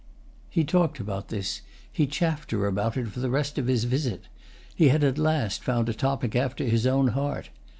He talked about this, he chaffed her about it for the rest of his visit: he had at last found a topic after his own heart.